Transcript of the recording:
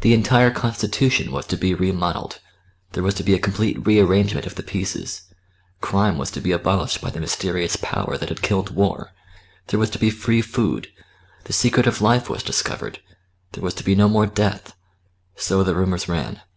The entire constitution was to be remodelled, there was to be a complete rearrangement of the pieces; crime was to be abolished by the mysterious power that had killed war; there was to be free food the secret of life was discovered, there was to be no more death so the rumours ran....